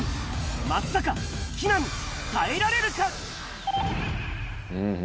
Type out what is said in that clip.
松坂、木南、耐えられるか。